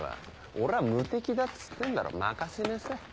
俺は無敵だっつってんだろ任せなさい。